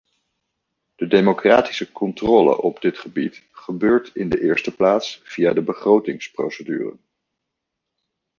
De democratische controle op dit gebied gebeurt in de eerste plaats via de begrotingsprocedure.